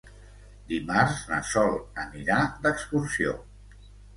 Dimarts na Sol anirà d'excursió.